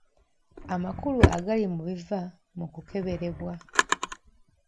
Amakulu agali mu biva mu kukeberebwa.